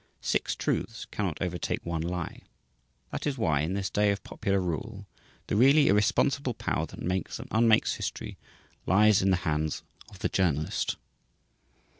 Six truths cannot overtake one lie. That is why, in this day of popular rule, the really irresponsible power that makes and unmakes history lies in the hands of the journalist.